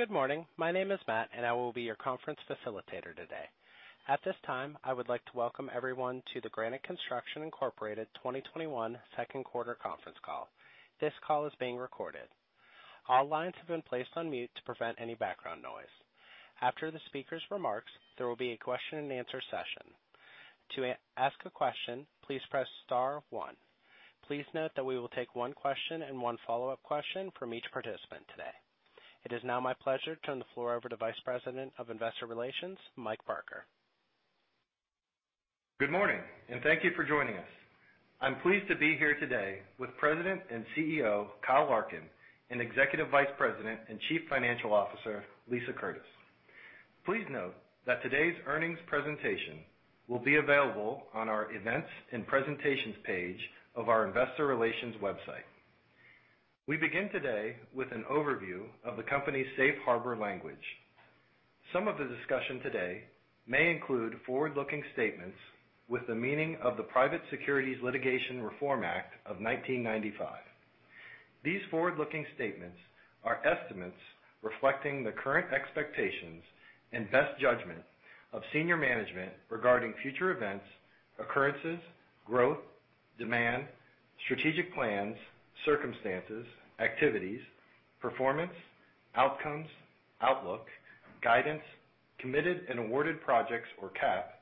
Good morning. My name is Matt, and I will be your conference facilitator today. At this time, I would like to welcome everyone to the Granite Construction Incorporated 2021 second quarter conference call. This call is being recorded. All lines have been placed on mute to prevent any background noise. After the speaker's remarks, there will be a question and answer session. To ask a question, please press star one. Please note that we will take one question and one follow-up question from each participant today. It is now my pleasure to turn the floor over to Vice President of Investor Relations, Mike Barker. Good morning, and thank you for joining us. I'm pleased to be here today with President and CEO Kyle Larkin and Executive Vice President and Chief Financial Officer Lisa Curtis. Please note that today's earnings presentation will be available on our events and presentations page of our Investor Relations website. We begin today with an overview of the company's safe harbor language. Some of the discussion today may include forward-looking statements within the meaning of the Private Securities Litigation Reform Act of 1995. These forward-looking statements are estimates reflecting the current expectations and best judgment of senior management regarding future events, occurrences, growth, demand, strategic plans, circumstances, activities, performance, outcomes, outlook, guidance, Committed and Awarded Projects or CAP,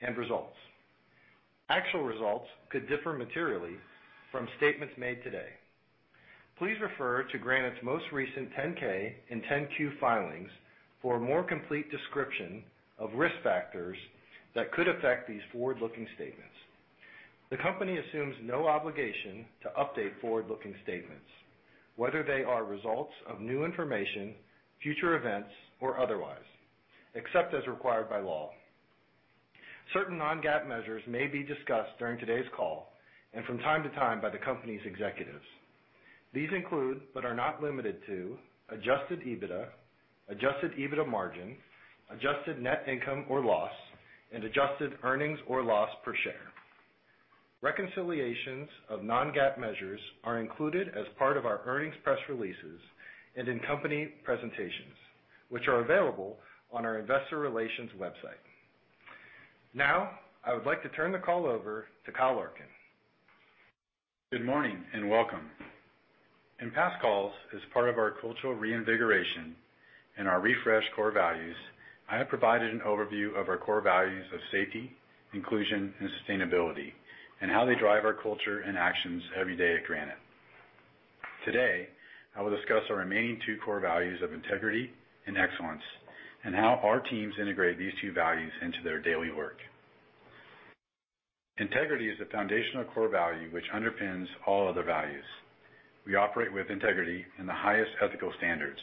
and results. Actual results could differ materially from statements made today. Please refer to Granite's most recent 10-K and 10-Q filings for a more complete description of risk factors that could affect these forward-looking statements. The company assumes no obligation to update forward-looking statements, whether they are results of new information, future events, or otherwise, except as required by law. Certain non-GAAP measures may be discussed during today's call and from time to time by the company's executives. These include, but are not limited to, Adjusted EBITDA, Adjusted EBITDA Margin, Adjusted Net Income or loss, and Adjusted Earnings or loss per share. Reconciliations of non-GAAP measures are included as part of our earnings press releases and in company presentations, which are available on our Investor Relations website. Now, I would like to turn the call over to Kyle Larkin. Good morning and welcome. In past calls, as part of our cultural reinvigoration and our refresh core values, I have provided an overview of our core values of safety, inclusion, and sustainability, and how they drive our culture and actions every day at Granite. Today, I will discuss our remaining two core values of integrity and excellence, and how our teams integrate these two values into their daily work. Integrity is the foundational core value which underpins all other values. We operate with integrity and the highest ethical standards.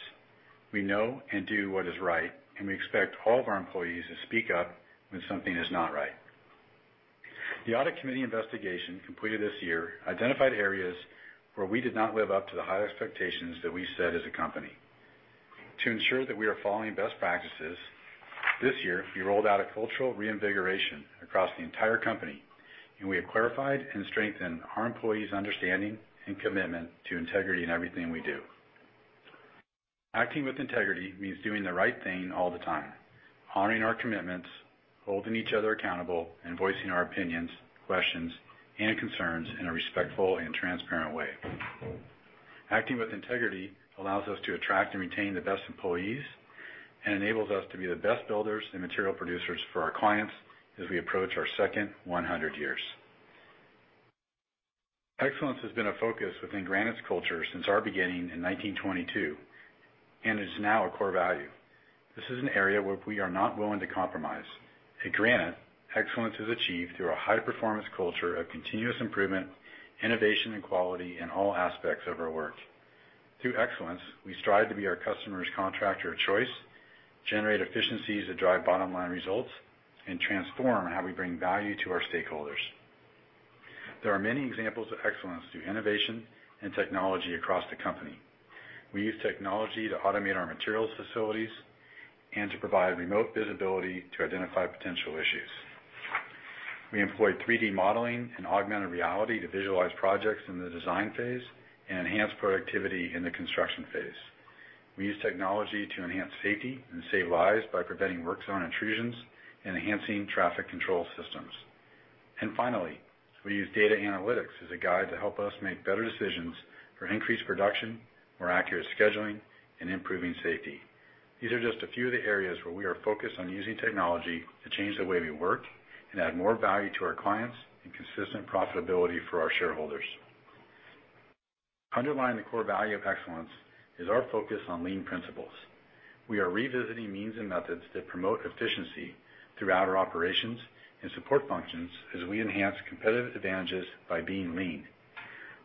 We know and do what is right, and we expect all of our employees to speak up when something is not right. The audit committee investigation completed this year identified areas where we did not live up to the high expectations that we set as a company. To ensure that we are following best practices, this year we rolled out a cultural reinvigoration across the entire company, and we have clarified and strengthened our employees' understanding and commitment to integrity in everything we do. Acting with integrity means doing the right thing all the time, honoring our commitments, holding each other accountable, and voicing our opinions, questions, and concerns in a respectful and transparent way. Acting with integrity allows us to attract and retain the best employees and enables us to be the best builders and material producers for our clients as we approach our second 100 years. Excellence has been a focus within Granite's culture since our beginning in 1922, and it is now a core value. This is an area where we are not willing to compromise. At Granite, excellence is achieved through a high-performance culture of continuous improvement, innovation, and quality in all aspects of our work. Through excellence, we strive to be our customer's contractor of choice, generate efficiencies that drive bottom-line results, and transform how we bring value to our stakeholders. There are many examples of excellence through innovation and technology across the company. We use technology to automate our materials facilities and to provide remote visibility to identify potential issues. We employ 3D modeling and augmented reality to visualize projects in the design phase and enhance productivity in the construction phase. We use technology to enhance safety and save lives by preventing work zone intrusions and enhancing traffic control systems. And finally, we use data analytics as a guide to help us make better decisions for increased production, more accurate scheduling, and improving safety. These are just a few of the areas where we are focused on using technology to change the way we work and add more value to our clients and consistent profitability for our shareholders. Underlying the core value of excellence is our focus on Lean principles. We are revisiting Means and Methods that promote efficiency throughout our operations and support functions as we enhance competitive advantages by being lean.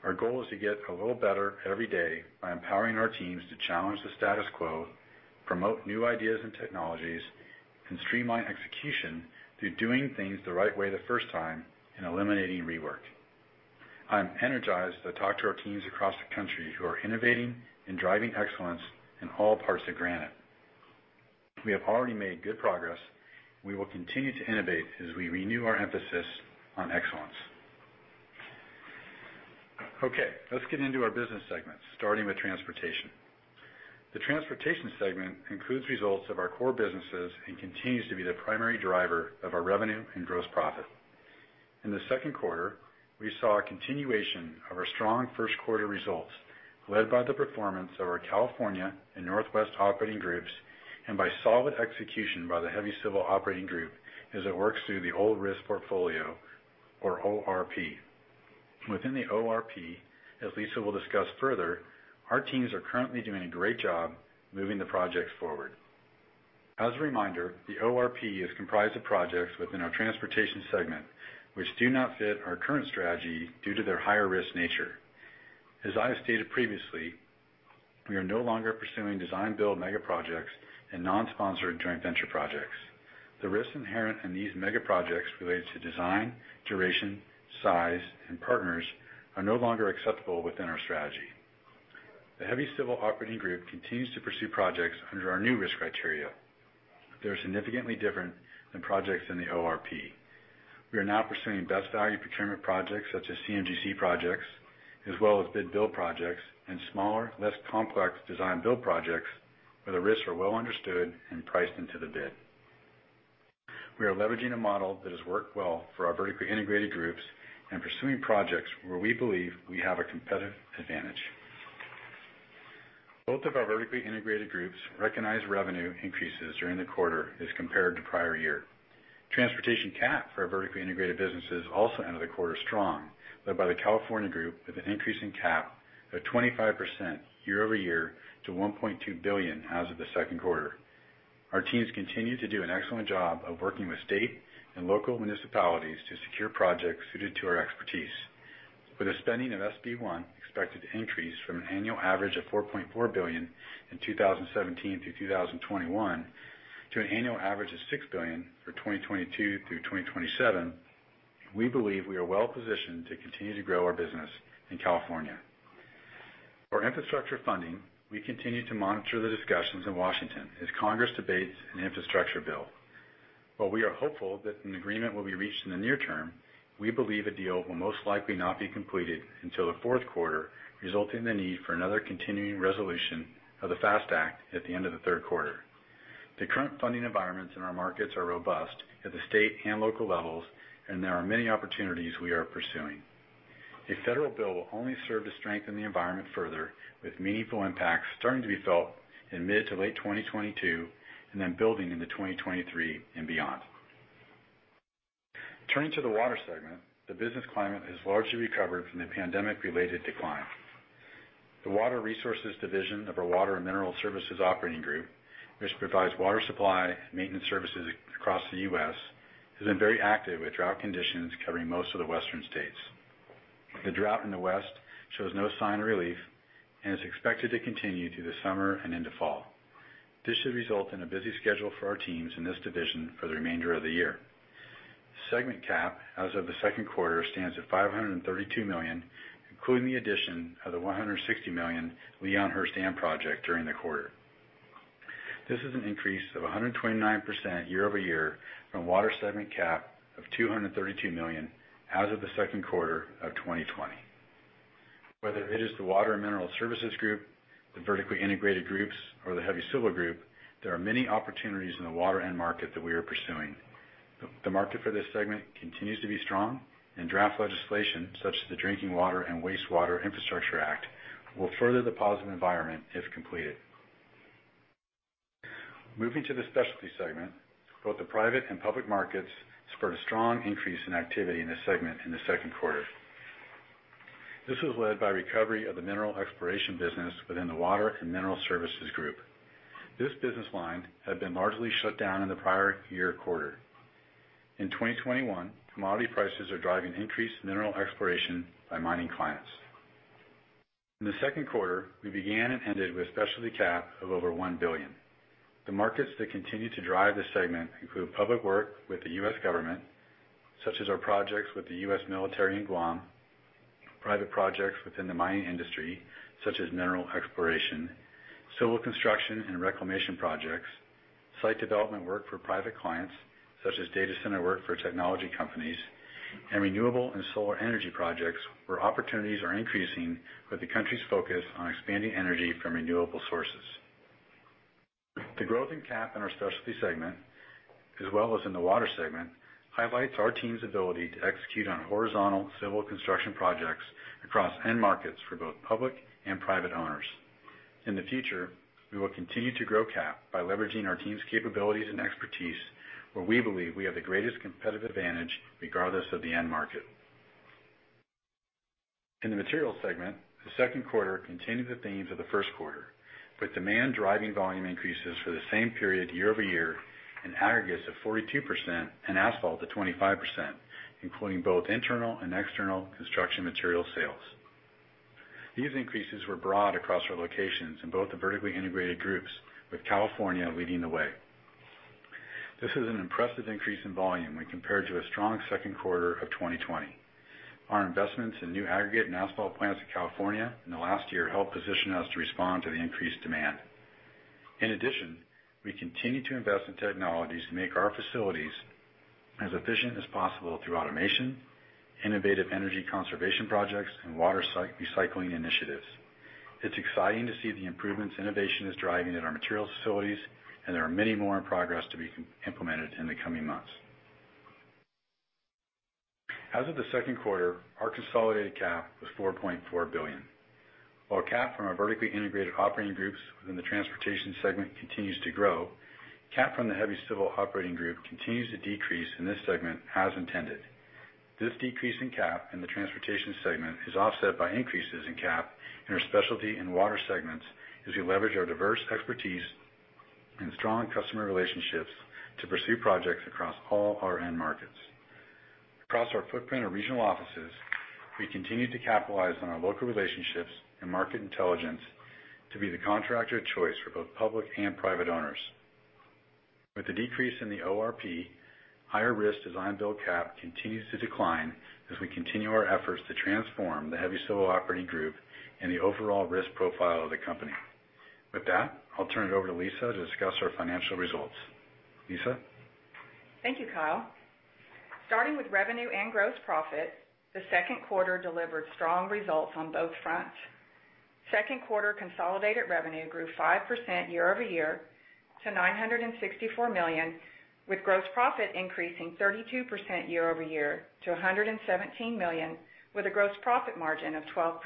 Our goal is to get a little better every day by empowering our teams to challenge the status quo, promote new ideas and technologies, and streamline execution through doing things the right way the first time and eliminating rework. I'm energized to talk to our teams across the country who are innovating and driving excellence in all parts of Granite. We have already made good progress, and we will continue to innovate as we renew our emphasis on excellence. Okay, let's get into our business segments, starting with transportation. The transportation segment includes results of our core businesses and continues to be the primary driver of our revenue and gross profit. In the second quarter, we saw a continuation of our strong first quarter results led by the performance of our California and Northwest operating groups and by solid execution by the Heavy Civil Operating Group as it works through the Old Risk Portfolio, or ORP. Within the ORP, as Lisa will discuss further, our teams are currently doing a great job moving the projects forward. As a reminder, the ORP is comprised of projects within our transportation segment which do not fit our current strategy due to their higher risk nature. As I've stated previously, we are no longer pursuing design-build mega projects and non-sponsored joint venture projects. The risks inherent in these mega projects related to design, duration, size, and partners are no longer acceptable within our strategy. The Heavy Civil Operating Group continues to pursue projects under our new risk criteria. They are significantly different than projects in the ORP. We are now pursuing Best Value Procurement projects such as CMGC projects, as well as Bid-Build projects, and smaller, less complex Design-Build projects where the risks are well understood and priced into the bid. We are leveraging a model that has worked well for our Vertically Integrated Groups and pursuing projects where we believe we have a competitive advantage. Both of our Vertically Integrated Groups recognize revenue increases during the quarter as compared to prior year. Transportation CAP for our vertically integrated businesses also entered the quarter strong, led by the California group with an increase in CAP of 25% year-over-year to $1.2 billion as of the second quarter. Our teams continue to do an excellent job of working with state and local municipalities to secure projects suited to our expertise. With a spending of SB 1 expected to increase from an annual average of $4.4 billion in 2017 through 2021 to an annual average of $6 billion for 2022 through 2027, we believe we are well positioned to continue to grow our business in California. For infrastructure funding, we continue to monitor the discussions in Washington as Congress debates an infrastructure bill. While we are hopeful that an agreement will be reached in the near term, we believe a deal will most likely not be completed until the fourth quarter, resulting in the need for another continuing resolution of the FAST Act at the end of the third quarter. The current funding environments in our markets are robust at the state and local levels, and there are many opportunities we are pursuing. A federal bill will only serve to strengthen the environment further, with meaningful impacts starting to be felt in mid to late 2022 and then building into 2023 and beyond. Turning to the water segment, the business climate has largely recovered from the pandemic-related decline. The water resources division of our Water and Mineral Services Operating Group, which provides water supply and maintenance services across the U.S., has been very active with drought conditions covering most of the western states. The drought in the West shows no sign of relief and is expected to continue through the summer and into fall. This should result in a busy schedule for our teams in this division for the remainder of the year. Segment CAP as of the second quarter stands at $532 million, including the addition of the $160 million Leon Hurse Dam project during the quarter. This is an increase of 129% year-over-year from water segment CAP of $232 million as of the second quarter of 2020. Whether it is the Water and Mineral Services Group, the vertically integrated groups, or the Heavy Civil Group, there are many opportunities in the water end market that we are pursuing. The market for this segment continues to be strong, and draft legislation such as the Drinking Water and Wastewater Infrastructure Act will further the positive environment if completed. Moving to the specialty segment, both the private and public markets spurred a strong increase in activity in this segment in the second quarter. This was led by recovery of the mineral exploration business within the Water and Mineral Services Group. This business line had been largely shut down in the prior year quarter. In 2021, commodity prices are driving increased mineral exploration by mining clients. In the second quarter, we began and ended with specialty CAP of over $1 billion. The markets that continue to drive this segment include public work with the U.S. government, such as our projects with the U.S. military in Guam, private projects within the mining industry, such as mineral exploration, civil construction and reclamation projects, site development work for private clients, such as data center work for technology companies, and renewable and solar energy projects where opportunities are increasing with the country's focus on expanding energy from renewable sources. The growth in CAP in our specialty segment, as well as in the water segment, highlights our team's ability to execute on horizontal civil construction projects across end markets for both public and private owners. In the future, we will continue to grow CAP by leveraging our team's capabilities and expertise, where we believe we have the greatest competitive advantage regardless of the end market. In the materials segment, the second quarter continued the themes of the first quarter, with demand driving volume increases for the same period year-over-year and aggregates of 42% and asphalt to 25%, including both internal and external construction material sales. These increases were broad across our locations in both the vertically integrated groups, with California leading the way. This is an impressive increase in volume when compared to a strong second quarter of 2020. Our investments in new aggregate and asphalt plants in California in the last year helped position us to respond to the increased demand. In addition, we continue to invest in technologies to make our facilities as efficient as possible through automation, innovative energy conservation projects, and water recycling initiatives. It's exciting to see the improvements innovation is driving at our materials facilities, and there are many more in progress to be implemented in the coming months. As of the second quarter, our consolidated CAP was $4.4 billion. While CAP from our vertically integrated operating groups within the transportation segment continues to grow, CAP from the Heavy Civil Operating Group continues to decrease in this segment as intended. This decrease in CAP in the transportation segment is offset by increases in CAP in our specialty and water segments as we leverage our diverse expertise and strong customer relationships to pursue projects across all our end markets. Across our footprint of regional offices, we continue to capitalize on our local relationships and market intelligence to be the contractor of choice for both public and private owners. With the decrease in the ORP, higher risk design-build CAP continues to decline as we continue our efforts to transform the Heavy Civil Operating Group and the overall risk profile of the company. With that, I'll turn it over to Lisa to discuss our financial results. Lisa. Thank you, Kyle. Starting with revenue and gross profit, the second quarter delivered strong results on both fronts. Second quarter consolidated revenue grew 5% year-over-year to $964 million, with gross profit increasing 32% year-over-year to $117 million, with a gross profit margin of 12%.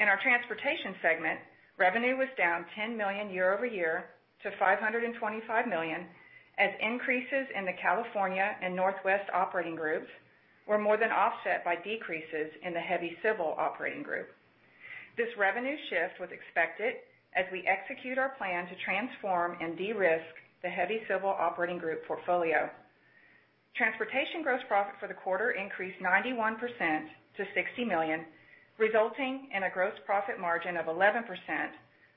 In our transportation segment, revenue was down $10 million year-over-year to $525 million, as increases in the California and Northwest operating groups were more than offset by decreases in the Heavy Civil Operating Group. This revenue shift was expected as we execute our plan to transform and de-risk the Heavy Civil Operating Group portfolio. Transportation gross profit for the quarter increased 91% to $60 million, resulting in a gross profit margin of 11%,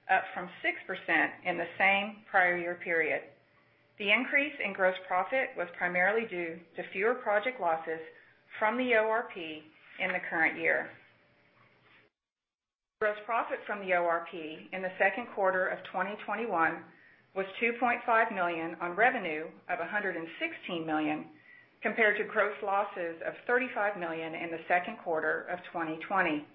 up from 6% in the same prior year period. The increase in gross profit was primarily due to fewer project losses from the ORP in the current year. Gross profit from the ORP in the second quarter of 2021 was $2.5 million on revenue of $116 million, compared to gross losses of $35 million in the second quarter of 2020.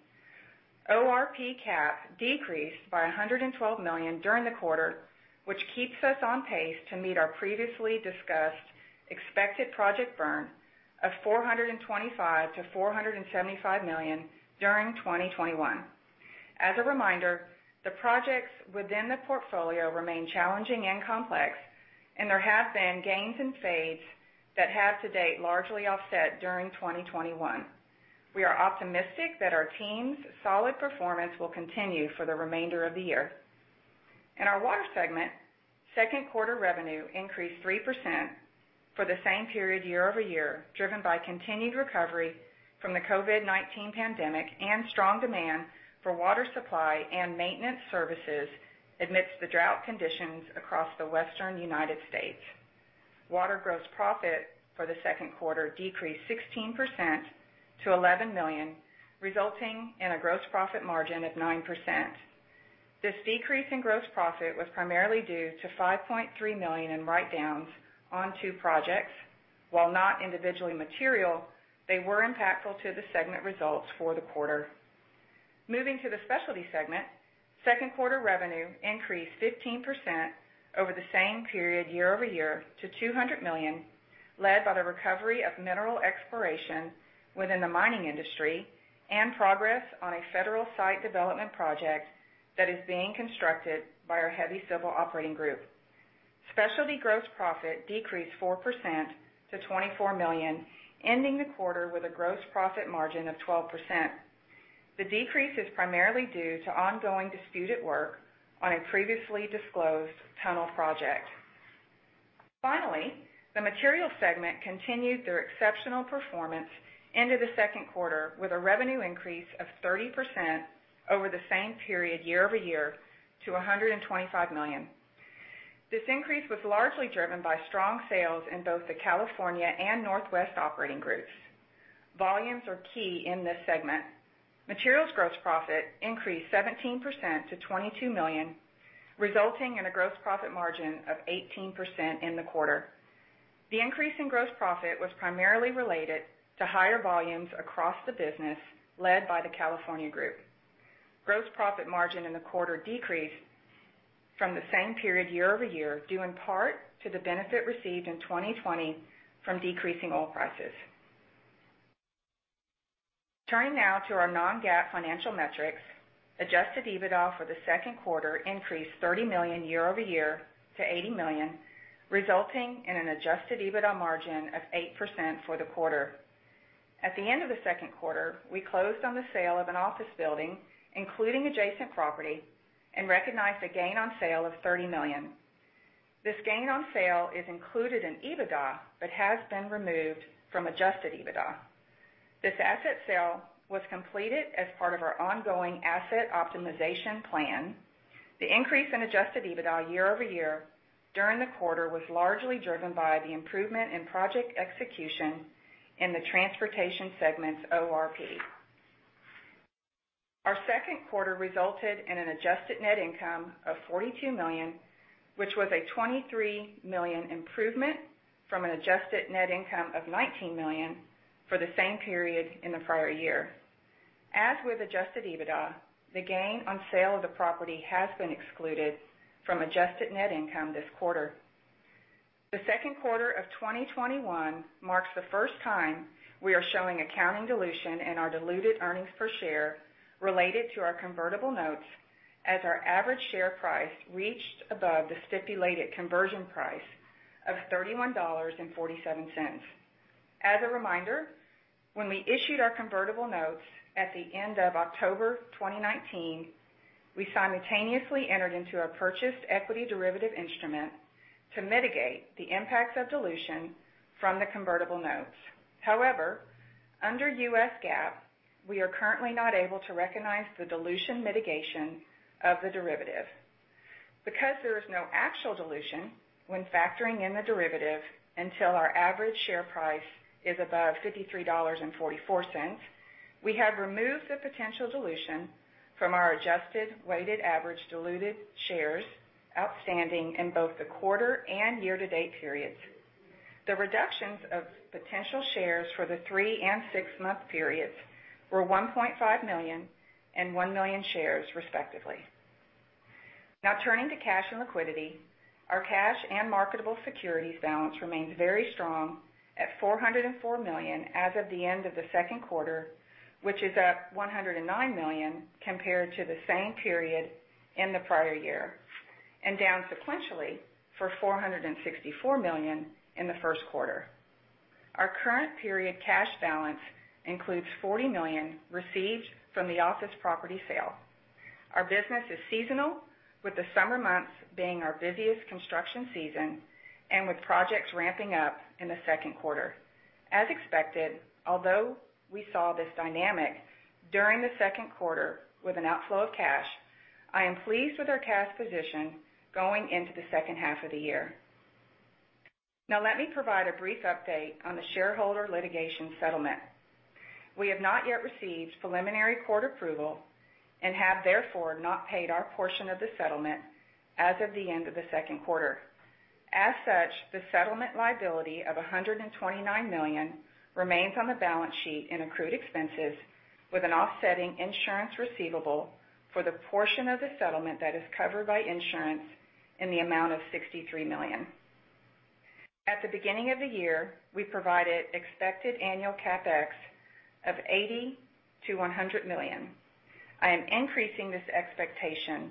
ORP CAP decreased by $112 million during the quarter, which keeps us on pace to meet our previously discussed expected project burn of $425 million-$475 million during 2021. As a reminder, the projects within the portfolio remain challenging and complex, and there have been gains and fades that have to date largely offset during 2021. We are optimistic that our team's solid performance will continue for the remainder of the year. In our water segment, second quarter revenue increased 3% for the same period year-over-year, driven by continued recovery from the COVID-19 pandemic and strong demand for water supply and maintenance services amidst the drought conditions across the western United States. Water gross profit for the second quarter decreased 16% to $11 million, resulting in a gross profit margin of 9%. This decrease in gross profit was primarily due to $5.3 million in write-downs on two projects. While not individually material, they were impactful to the segment results for the quarter. Moving to the specialty segment, second quarter revenue increased 15% over the same period year-over-year to $200 million, led by the recovery of mineral exploration within the mining industry and progress on a federal site development project that is being constructed by our Heavy Civil Operating Group. Specialty gross profit decreased 4% to $24 million, ending the quarter with a gross profit margin of 12%. The decrease is primarily due to ongoing disputed work on a previously disclosed tunnel project. Finally, the materials segment continued their exceptional performance into the second quarter with a revenue increase of 30% over the same period year-over-year to $125 million. This increase was largely driven by strong sales in both the California and Northwest operating groups. Volumes are key in this segment. Materials gross profit increased 17% to $22 million, resulting in a gross profit margin of 18% in the quarter. The increase in gross profit was primarily related to higher volumes across the business led by the California group. Gross profit margin in the quarter decreased from the same period year-over-year due in part to the benefit received in 2020 from decreasing oil prices. Turning now to our non-GAAP financial metrics, Adjusted EBITDA for the second quarter increased $30 million year-over-year to $80 million, resulting in an Adjusted EBITDA margin of 8% for the quarter. At the end of the second quarter, we closed on the sale of an office building, including adjacent property, and recognized a gain on sale of $30 million. This gain on sale is included in EBITDA but has been removed from Adjusted EBITDA. This asset sale was completed as part of our ongoing asset optimization plan. The increase in adjusted EBITDA year over year during the quarter was largely driven by the improvement in project execution in the transportation segment's ORP. Our second quarter resulted in an adjusted net income of $42 million, which was a $23 million improvement from an adjusted net income of $19 million for the same period in the prior year. As with adjusted EBITDA, the gain on sale of the property has been excluded from adjusted net income this quarter. The second quarter of 2021 marks the first time we are showing accounting dilution in our diluted earnings per share related to our convertible notes as our average share price reached above the stipulated conversion price of $31.47. As a reminder, when we issued our convertible notes at the end of October 2019, we simultaneously entered into a purchased equity derivative instrument to mitigate the impacts of dilution from the convertible notes. However, under U.S. GAAP, we are currently not able to recognize the dilution mitigation of the derivative. Because there is no actual dilution when factoring in the derivative until our average share price is above $53.44, we have removed the potential dilution from our adjusted weighted average diluted shares outstanding in both the quarter and year-to-date periods. The reductions of potential shares for the three and six-month periods were 1.5 million and 1 million shares, respectively. Now, turning to cash and liquidity, our cash and marketable securities balance remains very strong at $404 million as of the end of the second quarter, which is up $109 million compared to the same period in the prior year, and down sequentially from $464 million in the first quarter. Our current period cash balance includes $40 million received from the office property sale. Our business is seasonal, with the summer months being our busiest construction season and with projects ramping up in the second quarter. As expected, although we saw this dynamic during the second quarter with an outflow of cash, I am pleased with our cash position going into the second half of the year. Now, let me provide a brief update on the shareholder litigation settlement. We have not yet received preliminary court approval and have, therefore, not paid our portion of the settlement as of the end of the second quarter. As such, the settlement liability of $129 million remains on the balance sheet in accrued expenses, with an offsetting insurance receivable for the portion of the settlement that is covered by insurance in the amount of $63 million. At the beginning of the year, we provided expected annual CapEx of $80 million-$100 million. I am increasing this expectation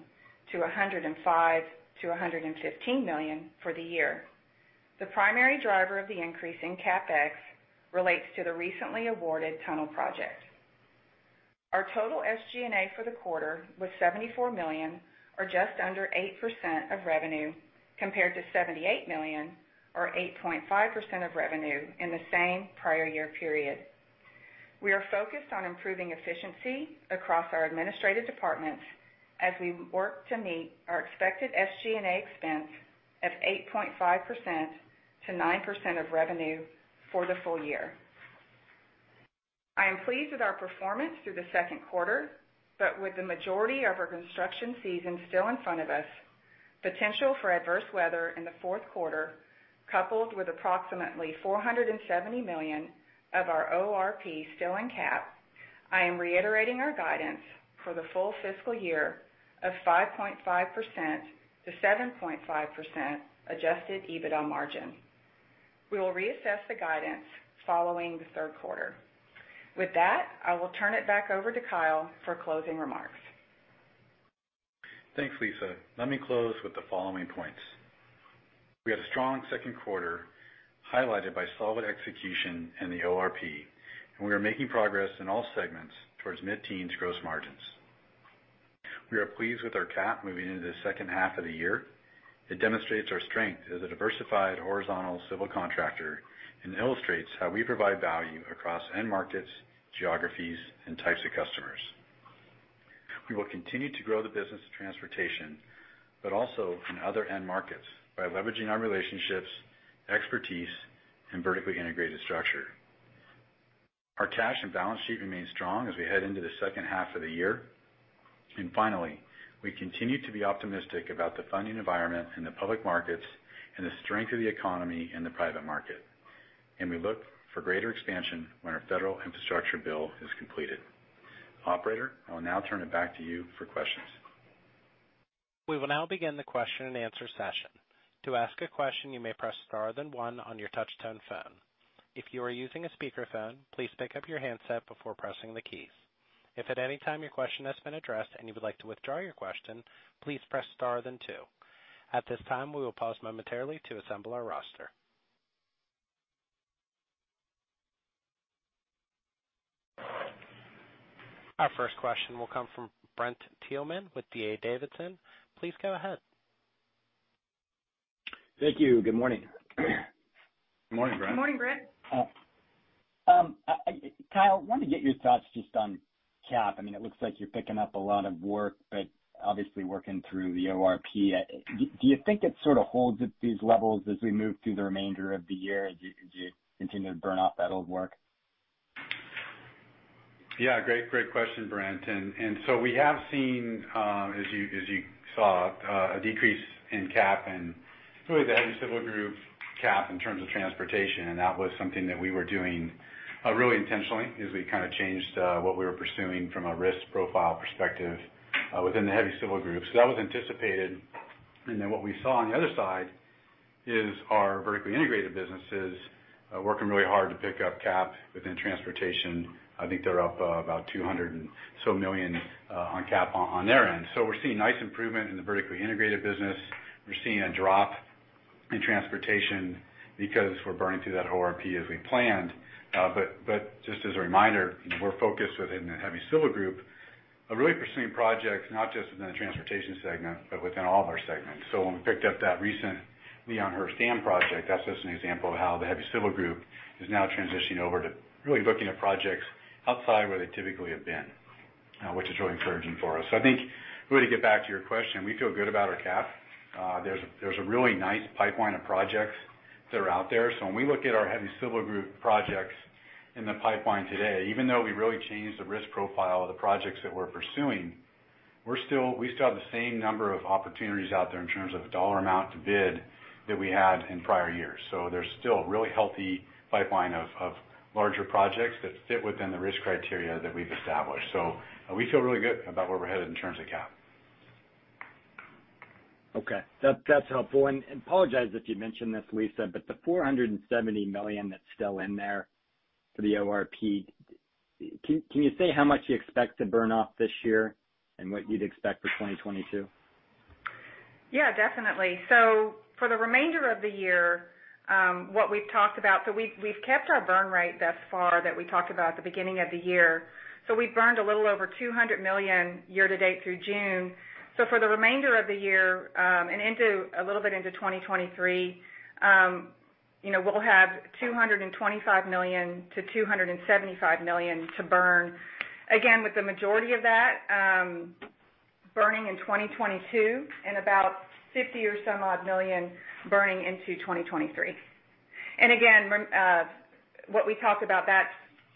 to $105 million-$115 million for the year. The primary driver of the increase in CapEx relates to the recently awarded tunnel project. Our total SG&A for the quarter was $74 million, or just under 8% of revenue, compared to $78 million, or 8.5% of revenue in the same prior year period. We are focused on improving efficiency across our administrative departments as we work to meet our expected SG&A expense of 8.5%-9% of revenue for the full year. I am pleased with our performance through the second quarter, but with the majority of our construction season still in front of us, potential for adverse weather in the fourth quarter, coupled with approximately $470 million of our ORP still in CAP, I am reiterating our guidance for the full fiscal year of 5.5%-7.5% adjusted EBITDA margin. We will reassess the guidance following the third quarter. With that, I will turn it back over to Kyle for closing remarks. Thanks, Lisa. Let me close with the following points. We had a strong second quarter highlighted by solid execution in the ORP, and we are making progress in all segments towards mid-teens gross margins. We are pleased with our CAP moving into the second half of the year. It demonstrates our strength as a diversified horizontal civil contractor and illustrates how we provide value across end markets, geographies, and types of customers. We will continue to grow the business of transportation, but also in other end markets, by leveraging our relationships, expertise, and vertically integrated structure. Our cash and balance sheet remains strong as we head into the second half of the year. Finally, we continue to be optimistic about the funding environment in the public markets and the strength of the economy in the private market. We look for greater expansion when our federal infrastructure bill is completed. Operator, I will now turn it back to you for questions. We will now begin the question and answer session. To ask a question, you may press star then one on your touchtone phone. If you are using a speakerphone, please pick up your handset before pressing the keys. If at any time your question has been addressed and you would like to withdraw your question, please press star then two. At this time, we will pause momentarily to assemble our roster. Our first question will come from Brent Thielmann with D.A. Davidson. Please go ahead. Thank you. Good morning. Good morning, Brent. Good morning, Brent. Kyle, I wanted to get your thoughts just on CAP. I mean, it looks like you're picking up a lot of work, but obviously working through the ORP. Do you think it sort of holds at these levels as we move through the remainder of the year? Do you continue to burn off that old work? Yeah. Great question, Brent. So we have seen, as you saw, a decrease in CAP and really the Heavy Civil Group CAP in terms of transportation. That was something that we were doing really intentionally as we kind of changed what we were pursuing from a risk profile perspective within the Heavy Civil Group. So that was anticipated. Then what we saw on the other side is our vertically integrated businesses working really hard to pick up CAP within transportation. I think they're up about $200 million on CAP on their end. So we're seeing nice improvement in the vertically integrated business. We're seeing a drop in transportation because we're burning through that ORP as we planned. But just as a reminder, we're focused within the Heavy Civil Group on really pursuing projects not just within the transportation segment, but within all of our segments. So when we picked up that recent Leon Hurse Dam project, that's just an example of how the Heavy Civil Group is now transitioning over to really looking at projects outside where they typically have been, which is really encouraging for us. So I think really to get back to your question, we feel good about our CAP. There's a really nice pipeline of projects that are out there. So when we look at our Heavy Civil Group projects in the pipeline today, even though we really changed the risk profile of the projects that we're pursuing, we still have the same number of opportunities out there in terms of dollar amount to bid that we had in prior years. So there's still a really healthy pipeline of larger projects that fit within the risk criteria that we've established. So we feel really good about where we're headed in terms of CAP. Okay. That's helpful. And apologize if you mentioned this, Lisa, but the $470 million that's still in there for the ORP, can you say how much you expect to burn off this year and what you'd expect for 2022? Yeah, definitely. So for the remainder of the year, what we've talked about, so we've kept our burn rate thus far that we talked about at the beginning of the year. So we've burned a little over $200 million year-to-date through June. So for the remainder of the year and a little bit into 2023, we'll have $225 million-$275 million to burn. Again, with the majority of that burning in 2022 and about $50 million burning into 2023. And again, what we talked about, that's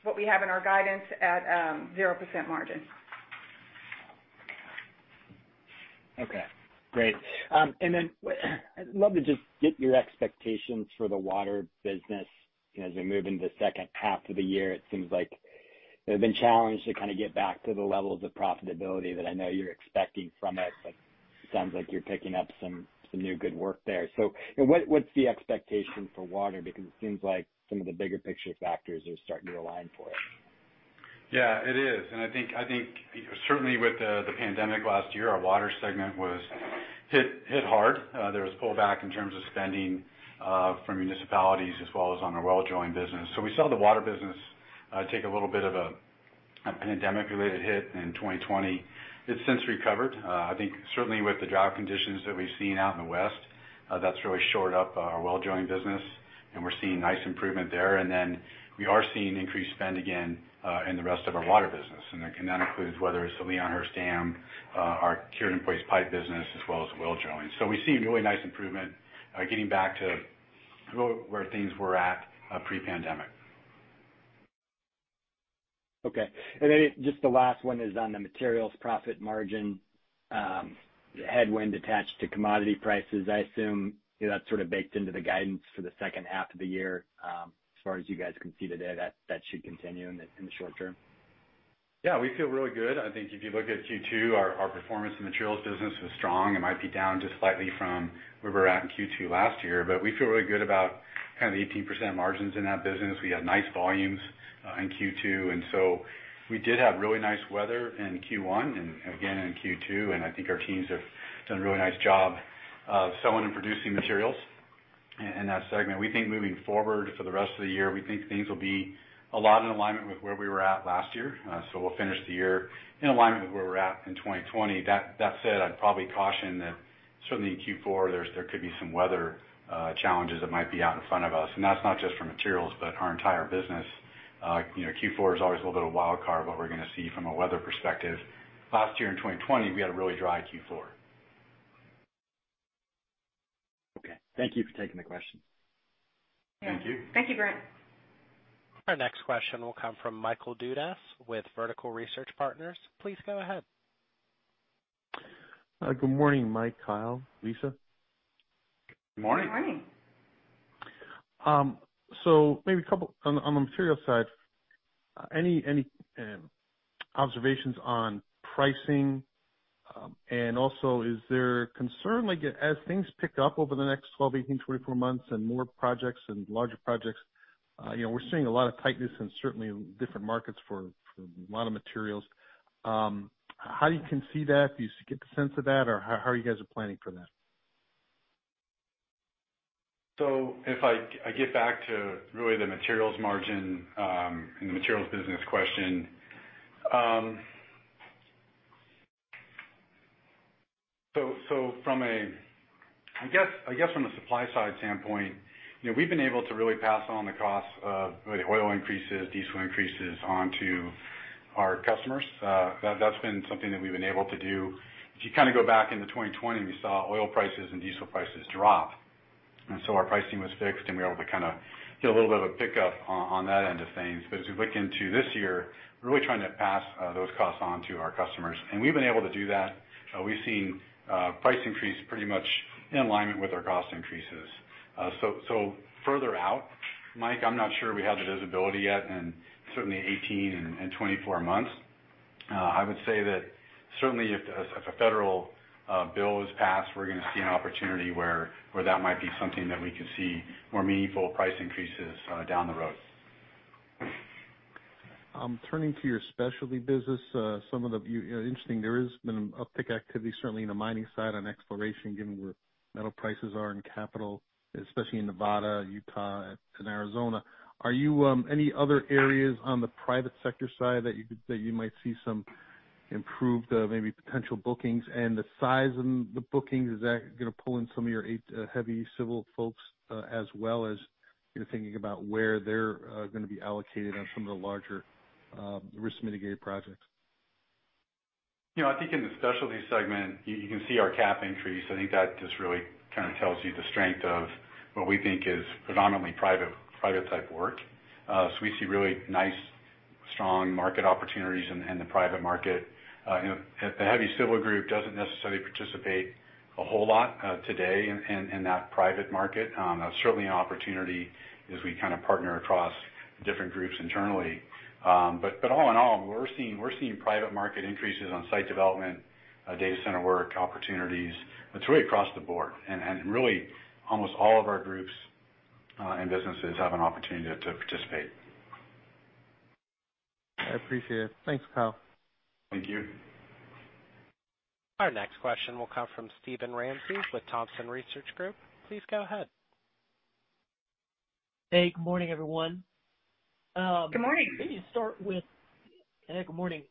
what we have in our guidance at 0% margin. Okay. Great. And then I'd love to just get your expectations for the water business as we move into the second half of the year. It seems like they've been challenged to kind of get back to the levels of profitability that I know you're expecting from it, but it sounds like you're picking up some new good work there. So what's the expectation for water? Because it seems like some of the bigger picture factors are starting to align for it. Yeah, it is. And I think certainly with the pandemic last year, our water segment was hit hard. There was a pullback in terms of spending from municipalities as well as on our well drilling business. So we saw the water business take a little bit of a pandemic-related hit in 2020. It's since recovered. I think certainly with the drought conditions that we've seen out in the west, that's really shored up our well drilling business, and we're seeing nice improvement there. And then we are seeing increased spend again in the rest of our water business. And that includes whether it's the Leon Hurse Dam, our Cured-In-Place Pipe business, as well as the well drilling. So we've seen really nice improvement getting back to where things were at pre-pandemic. Okay. And then just the last one is on the materials profit margin, headwind attached to commodity prices. I assume that's sort of baked into the guidance for the second half of the year. As far as you guys can see today, that should continue in the short term. Yeah, we feel really good. I think if you look at Q2, our performance in the materials business was strong. It might be down just slightly from where we were at in Q2 last year, but we feel really good about kind of the 18% margins in that business. We had nice volumes in Q2. And so we did have really nice weather in Q1 and again in Q2. And I think our teams have done a really nice job of selling and producing materials in that segment. We think moving forward for the rest of the year, we think things will be a lot in alignment with where we were at last year. So we'll finish the year in alignment with where we're at in 2020. That said, I'd probably caution that certainly in Q4, there could be some weather challenges that might be out in front of us. And that's not just for materials, but our entire business. Q4 is always a little bit of a wildcard of what we're going to see from a weather perspective. Last year in 2020, we had a really dry Q4. Okay. Thank you for taking the question. Thank you. Thank you, Brent. Our next question will come from Michael Dudas with Vertical Research Partners. Please go ahead. Good morning, Mike, Kyle, Lisa. Good morning. Good morning. So maybe a couple on the materials side, any observations on pricing? And also, is there concern as things pick up over the next 12, 18, 24 months and more projects and larger projects? We're seeing a lot of tightness in certainly different markets for a lot of materials. How do you conceive that? Do you get the sense of that, or how are you guys planning for that? So if I get back to really the materials margin and the materials business question, so from a, I guess, from a supply-side standpoint, we've been able to really pass on the costs of the oil increases, diesel increases onto our customers. That's been something that we've been able to do. If you kind of go back into 2020, we saw oil prices and diesel prices drop. And so our pricing was fixed, and we were able to kind of get a little bit of a pickup on that end of things. But as we look into this year, we're really trying to pass those costs on to our customers. And we've been able to do that. We've seen price increase pretty much in alignment with our cost increases. So further out, Mike, I'm not sure we have the visibility yet in certainly 18 and 24 months. I would say that certainly if a federal bill is passed, we're going to see an opportunity where that might be something that we could see more meaningful price increases down the road. I'm turning to your specialty business. Some of the interesting, there has been an uptick activity certainly in the mining side on exploration, given where metal prices are in capital, especially in Nevada, Utah, and Arizona. Are there any other areas on the private sector side that you might see some improved maybe potential bookings? And the size of the bookings, is that going to pull in some of your heavy civil folks as well as you're thinking about where they're going to be allocated on some of the larger risk-mitigated projects? I think in the specialty segment, you can see our CAP increase. I think that just really kind of tells you the strength of what we think is predominantly private-type work. So we see really nice, strong market opportunities in the private market. The Heavy Civil Group doesn't necessarily participate a whole lot today in that private market. That's certainly an opportunity as we kind of partner across different groups internally. But all in all, we're seeing private market increases on site development, data center work opportunities. It's really across the board. And really, almost all of our groups and businesses have an opportunity to participate. I appreciate it. Thanks, Kyle. Thank you. Our next question will come from Steven Ramsey with Thompson Research Group. Please go ahead. Hey, good morning, everyone. Good morning. Maybe start with, hey, good morning.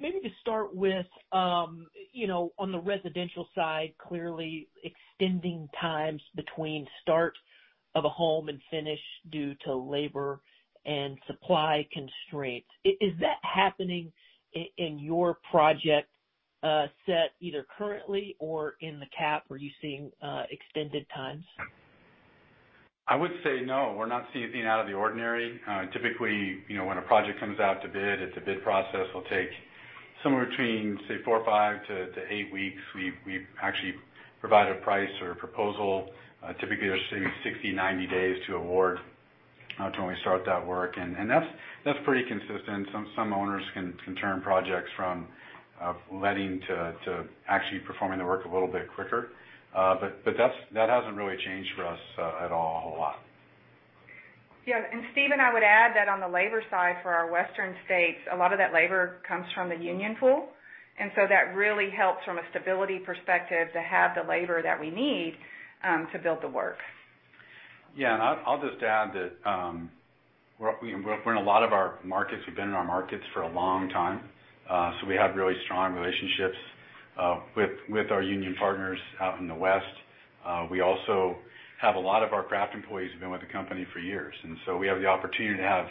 Maybe to start with, on the residential side, clearly extending times between start of a home and finish due to labor and supply constraints. Is that happening in your project set either currently or in the CAP? Are you seeing extended times? I would say no. We're not seeing anything out of the ordinary. Typically, when a project comes out to bid, it's a bid process. It'll take somewhere between, say, 4-5 to 8 weeks. We actually provide a price or a proposal. Typically, there's maybe 60-90 days to award to when we start that work. And that's pretty consistent. Some owners can turn projects from letting to actually performing the work a little bit quicker. But that hasn't really changed for us at all a whole lot. Yeah. And Steven, I would add that on the labor side for our western states, a lot of that labor comes from the union pool. And so that really helps from a stability perspective to have the labor that we need to build the work. Yeah. And I'll just add that we're in a lot of our markets. We've been in our markets for a long time. So we have really strong relationships with our union partners out in the west. We also have a lot of our craft employees have been with the company for years. And so we have the opportunity to have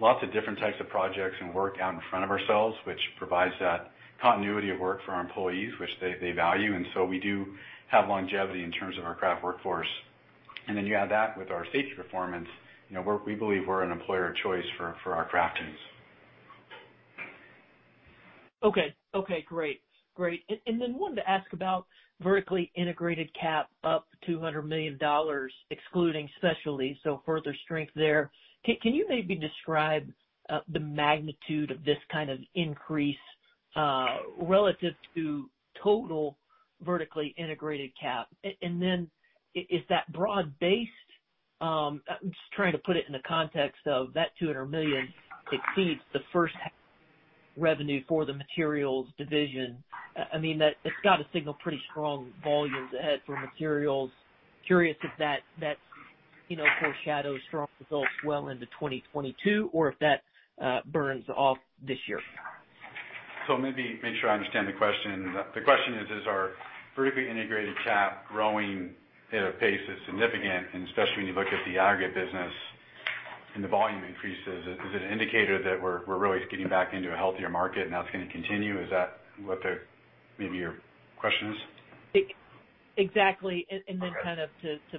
lots of different types of projects and work out in front of ourselves, which provides that continuity of work for our employees, which they value. And so we do have longevity in terms of our craft workforce. And then you add that with our safety performance. We believe we're an employer of choice for our craft teams. Okay. Okay. Great. Great. And then wanted to ask about vertically integrated CAP up $200 million, excluding specialty. So further strength there. Can you maybe describe the magnitude of this kind of increase relative to total vertically integrated CAP? And then is that broad-based? I'm just trying to put it in the context of that $200 million exceeds the first revenue for the materials division. I mean, it's got to signal pretty strong volumes ahead for materials. Curious if that foreshadows strong results well into 2022 or if that burns off this year. So maybe make sure I understand the question. The question is, is our vertically integrated CAP growing at a pace that's significant? And especially when you look at the aggregate business and the volume increases, is it an indicator that we're really getting back into a healthier market and that's going to continue? Is that what maybe your question is? Exactly. And then kind of to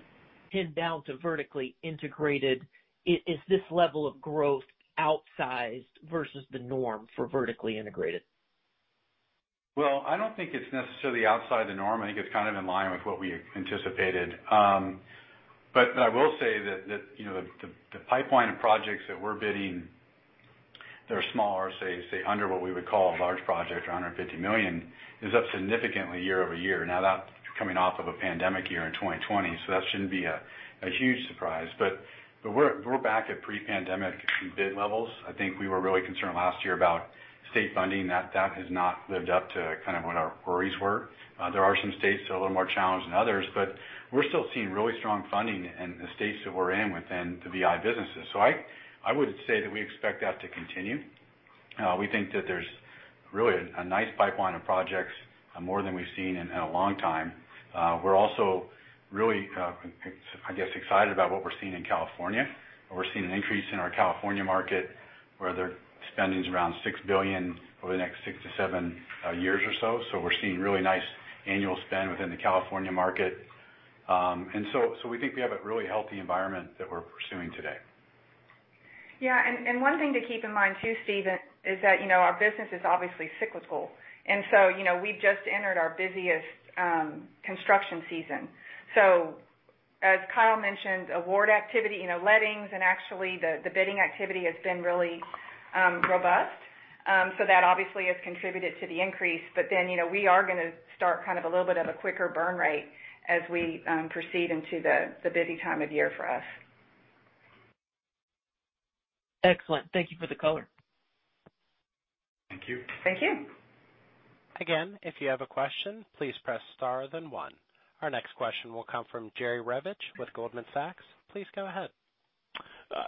pin down to vertically integrated, is this level of growth outsized versus the norm for vertically integrated? Well, I don't think it's necessarily outside the norm. I think it's kind of in line with what we anticipated. But I will say that the pipeline of projects that we're bidding, that are smaller, say, under what we would call a large project or $150 million, is up significantly year-over-year. Now, that's coming off of a pandemic year in 2020, so that shouldn't be a huge surprise. But we're back at pre-pandemic bid levels. I think we were really concerned last year about state funding. That has not lived up to kind of what our worries were. There are some states that are a little more challenged than others, but we're still seeing really strong funding in the states that we're in within the VI businesses. So I would say that we expect that to continue. We think that there's really a nice pipeline of projects, more than we've seen in a long time. We're also really, I guess, excited about what we're seeing in California. We're seeing an increase in our California market, where their spending is around $6 billion over the next 6-7 years or so. So we're seeing really nice annual spend within the California market. And so we think we have a really healthy environment that we're pursuing today. Yeah. And one thing to keep in mind too, Steven, is that our business is obviously cyclical. So we've just entered our busiest construction season. So as Kyle mentioned, award activity, lettings, and actually the bidding activity has been really robust. So that obviously has contributed to the increase. But then we are going to start kind of a little bit of a quicker burn rate as we proceed into the busy time of year for us. Excellent. Thank you for the color. Thank you. Thank you. Again, if you have a question, please press star then one. Our next question will come from Jerry Revich with Goldman Sachs. Please go ahead.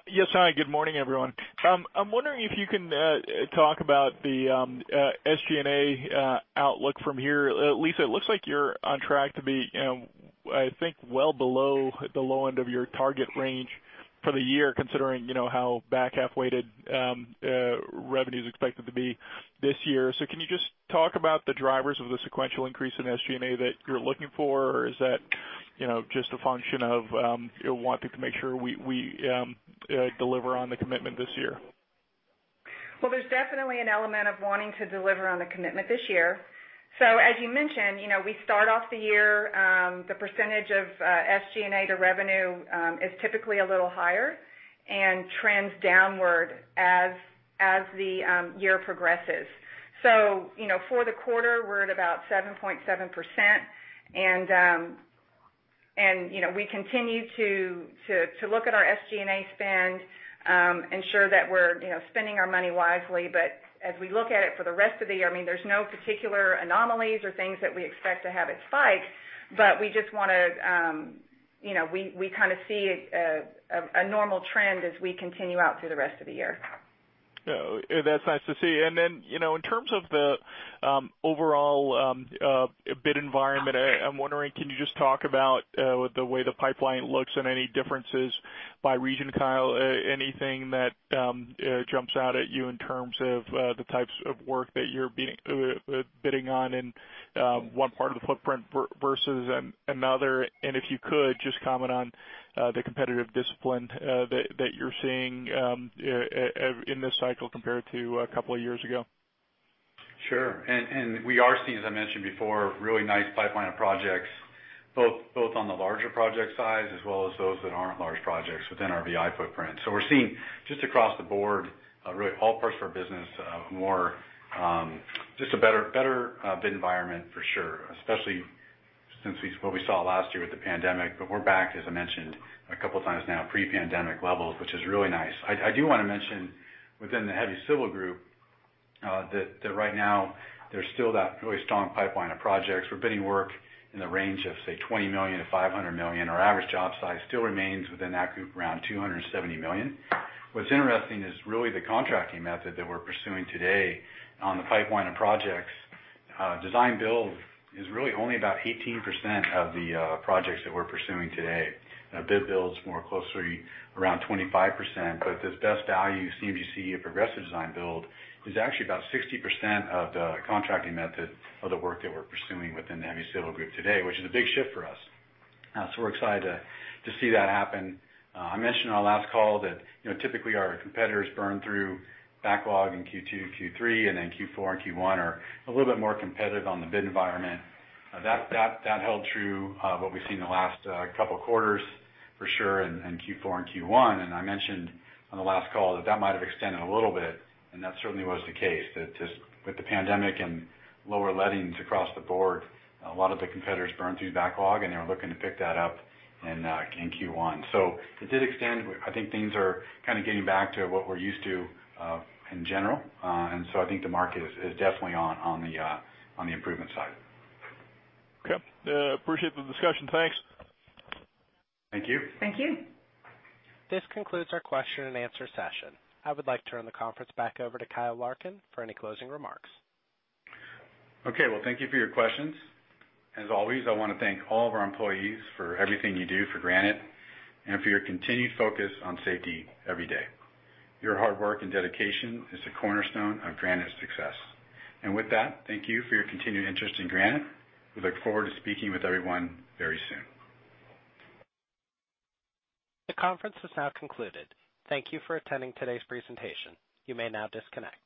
Yes, hi. Good morning, everyone. I'm wondering if you can talk about the SG&A outlook from here. Lisa, it looks like you're on track to be, I think, well below the low end of your target range for the year, considering how back half-weighted revenue is expected to be this year. So can you just talk about the drivers of the sequential increase in SG&A that you're looking for, or is that just a function of you're wanting to make sure we deliver on the commitment this year? Well, there's definitely an element of wanting to deliver on the commitment this year. So as you mentioned, we start off the year, the percentage of SG&A to revenue is typically a little higher and trends downward as the year progresses. So for the quarter, we're at about 7.7%. And we continue to look at our SG&A spend, ensure that we're spending our money wisely. But as we look at it for the rest of the year, I mean, there's no particular anomalies or things that we expect to have it spike, but we just want to kind of see a normal trend as we continue out through the rest of the year. That's nice to see. And then in terms of the overall bid environment, I'm wondering, can you just talk about the way the pipeline looks and any differences by region, Kyle? Anything that jumps out at you in terms of the types of work that you're bidding on in one part of the footprint versus another? And if you could, just comment on the competitive discipline that you're seeing in this cycle compared to a couple of years ago. Sure. We are seeing, as I mentioned before, really nice pipeline of projects, both on the larger project size as well as those that aren't large projects within our VI footprint. So we're seeing just across the board, really all parts of our business, just a better bid environment for sure, especially since what we saw last year with the pandemic. But we're back, as I mentioned, a couple of times now, pre-pandemic levels, which is really nice. I do want to mention within the heavy civil group that right now, there's still that really strong pipeline of projects. We're bidding work in the range of, say, $20 million-$500 million. Our average job size still remains within that group, around $270 million. What's interesting is really the contracting method that we're pursuing today on the pipeline of projects. Design-Build is really only about 18% of the projects that we're pursuing today. Bid-Build is more closely around 25%. But this Best Value Procurement, as you see, Progressive Design-Build is actually about 60% of the contracting method of the work that we're pursuing within the heavy civil group today, which is a big shift for us. So we're excited to see that happen. I mentioned on our last call that typically our competitors burn through backlog in Q2, Q3, and then Q4 and Q1 are a little bit more competitive on the bid environment. That held true with what we've seen the last couple of quarters for sure in Q4 and Q1. I mentioned on the last call that that might have extended a little bit. That certainly was the case. With the pandemic and lower lettings across the board, a lot of the competitors burned through backlog, and they were looking to pick that up in Q1. So it did extend. I think things are kind of getting back to what we're used to in general. And so I think the market is definitely on the improvement side. Okay. Appreciate the discussion. Thanks. Thank you. Thank you. This concludes our question and answer session. I would like to turn the conference back over to Kyle Larkin for any closing remarks. Okay. Well, thank you for your questions. As always, I want to thank all of our employees for everything you do for Granite and for your continued focus on safety every day. Your hard work and dedication is the cornerstone of Granite's success. And with that, thank you for your continued interest in Granite. We look forward to speaking with everyone very soon. The conference has now concluded. Thank you for attending today's presentation. You may now disconnect.